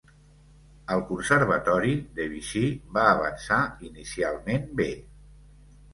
Al Conservatori, Debussy va avançar inicialment bé.